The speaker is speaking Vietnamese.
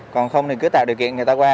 còn không thì cứ tạo điều kiện người ta qua